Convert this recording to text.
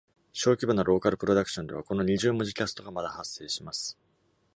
小規模なローカルプロダクションでは、この二重文字キャストがまだ発生します。